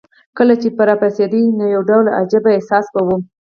کله چې به راپاڅېدې نو یو ډول عجیب احساس به وو.